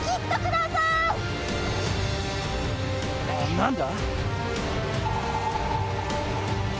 何だ？